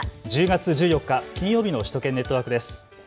１０月１４日、金曜日の首都圏ネットワークです。